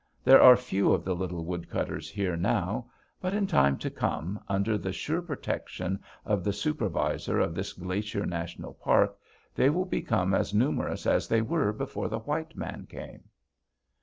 There are few of the little woodcutters here now, but in time to come, under the sure protection of the supervisor of this Glacier National Park, they will become as numerous as they were before the white man came.